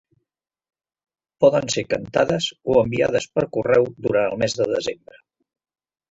Poden ser cantades o enviades per correu durant el mes de desembre.